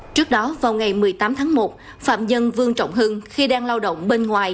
trước đó vào ngày một mươi tám tháng một phạm nhân vương trọng hưng khi đang lao động bên ngoài